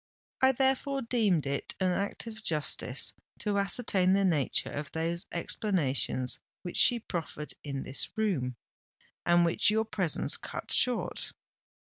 I therefore deemed it an act of justice to ascertain the nature of those explanations which she proffered in this room, and which your presence cut short.